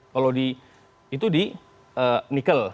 kalau di itu di nikel